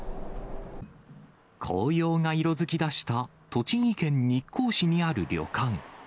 紅葉が色づきだした栃木県日光市にある旅館。